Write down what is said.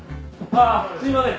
ああすいません。